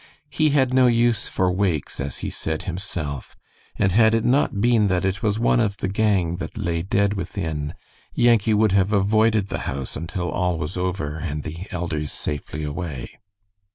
He had "no use for wakes," as he said himself, and had it not been that it was one of the gang that lay dead within, Yankee would have avoided the house until all was over and the elders safely away.